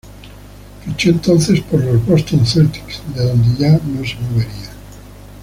Fichó entonces por los Boston Celtics, de donde ya no se movería.